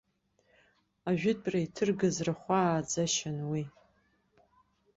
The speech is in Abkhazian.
Ажәытәра иҭыргаз рахәааӡашьан уи.